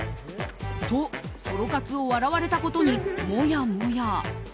と、ソロ活を笑われたことにもやもや。